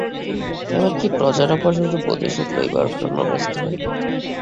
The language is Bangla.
এমন কি, প্রজারা পর্যন্ত প্রতিশােধ লইবার জন্য ব্যস্ত হইল।